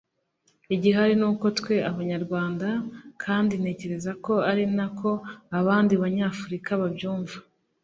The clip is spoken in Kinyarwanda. igihari ni uko twe Abanyarwanda kandi ntekereza ko ari na ko abandi Banyafurika babyumva